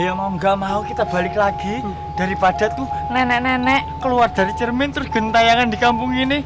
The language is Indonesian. ya mau gak mau kita balik lagi daripada tuh nenek nenek keluar dari cermin terus gentayangan di kampung ini